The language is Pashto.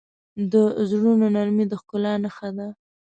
د زړونو نرمي د ښکلا نښه ده.